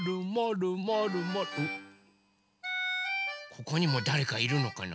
ここにもだれかいるのかな？